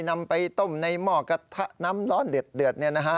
นำไปต้มในหมอกระทะน้ำร้อนเดือดเนี่ยนะฮะ